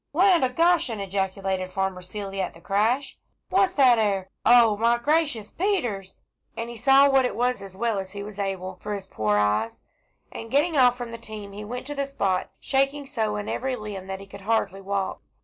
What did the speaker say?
"Land o' Goshen!" ejaculated Farmer Seeley, at the crash. "What's that 'ere? O my gracious Peters!" as he saw what it was as well as he was able, for his poor eyes. And getting off from the team he went to the spot, shaking so in every limb, that he could hardly walk.